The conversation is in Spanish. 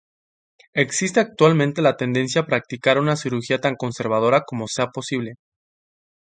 Existe actualmente la tendencia a practicar una cirugía tan conservadora como sea posible.